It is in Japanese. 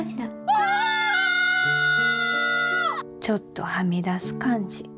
ちょっとはみ出す感じ